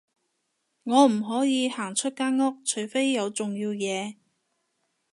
我唔可以行出間屋，除非有重要嘢